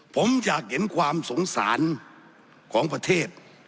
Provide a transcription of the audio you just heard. ผมอยากเห็นความสงสารของประเทศ